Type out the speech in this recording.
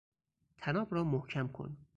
طناب را محکم کن!